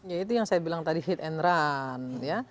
ya itu yang saya bilang tadi hit and run ya